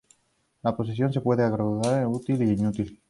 La posesión se puede agrupar en útil e inútil.